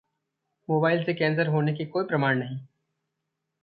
'mobile से cancer होने के कोई प्रमाण नहीं'